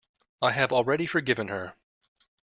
I have already forgiven her.